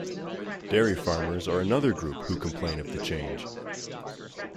Dairy farmers are another group who complain of the change.